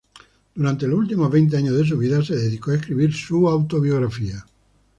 Durante los últimos veinte años de su vida se dedicó a escribir su autobiografía.